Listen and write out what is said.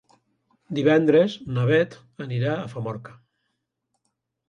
Divendres na Beth anirà a Famorca.